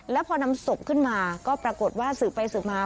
แล้วพอนำศพขึ้นมาก็ปรากฏว่าสืบไปสืบมา